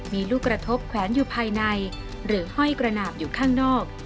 มีลูกกระทบแขวนอยู่ภายในหรือห้อยกระหนาบอยู่ข้างนอก